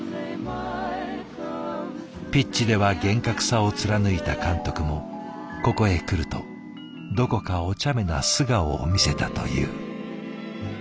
ピッチでは厳格さを貫いた監督もここへ来るとどこかおちゃめな素顔を見せたという。